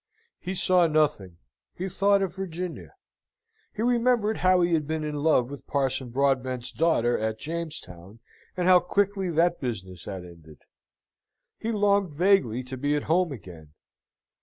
He saw nothing: he thought of Virginia: he remembered how he had been in love with Parson Broadbent's daughter at Jamestown, and how quickly that business had ended. He longed vaguely to be at home again.